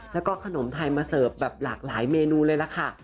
แล้วก็ขนมไทยมาเสิร์ฟแบบหลากหลายเมนูเลยล่ะค่ะ